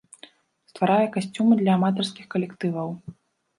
Стварае касцюмы для аматарскіх калектываў.